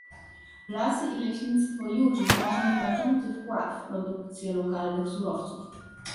Lasy i leśnictwo już wnoszą znaczący wkład w produkcję lokalnych surowców